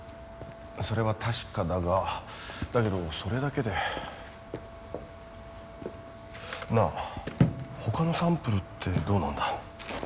それは確かだがだけどそれだけでなあ他のサンプルってどうなんだ？